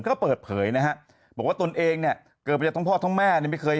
ก็เปิดเผยนะฮะบอกว่าตนเองเนี่ย